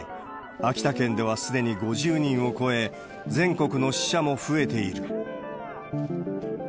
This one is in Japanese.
秋田県ではすでに５０人を超え、全国の死者も増えている。